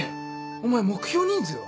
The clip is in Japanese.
お前目標人数は？